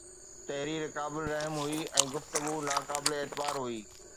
تحرير قابل رحم هئي ۽ گفتگو ناقابل اعتبار هئي